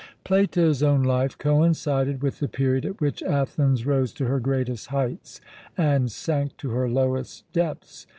Plato's own life coincided with the period at which Athens rose to her greatest heights and sank to her lowest depths.